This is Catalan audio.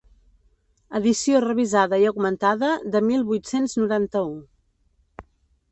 Edició revisada i augmentada de mil vuit-cents noranta-u.